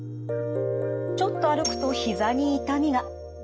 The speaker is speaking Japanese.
ちょっと歩くとひざに痛みが。